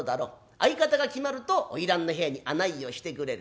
相方が決まると花魁の部屋に案内をしてくれる。